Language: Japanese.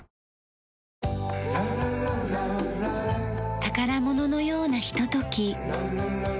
宝物のようなひととき。